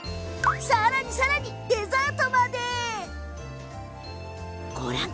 さらにさらにデザートまでご紹介。